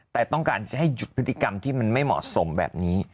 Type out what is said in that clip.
แต่ต้องการปฏิกรรมที่ไม่เหมาะสมแบบนี้